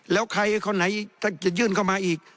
แล้วใครเขาไหนจะยื่นเข้ามาอีก